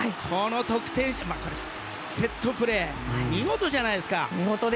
このセットプレー見事じゃないですか。